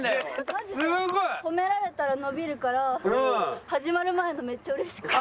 マジで褒められたら伸びるから始まる前のめっちゃ嬉しかった。